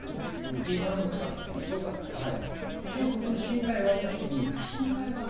イ・ミョンバクさんのときもそうだったということの心配はありますよ。